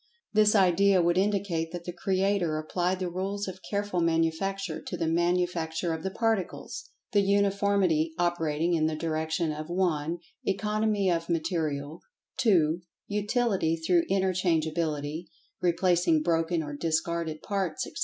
This idea would indicate that the Creator applied the rules of careful manufacture to the manufacture of the Particles, the uniformity operating in the direction of (1) Economy of Material; (2) Utility through interchangeability, replacing broken or discarded parts, etc.